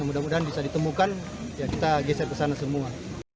mudah mudahan bisa ditemukan ya kita geser ke sana semua